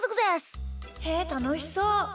へえたのしそう！